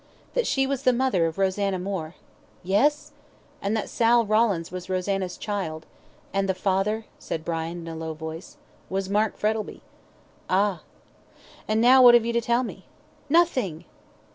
"That she was the mother of Rosanna Moore." "Yes!" "And that Sal Rawlins was Rosanna's child." "And the father?" said Brian, in a low voice. "Was Mark Frettlby." "Ah!" "And now what have you to tell me?" "Nothing!"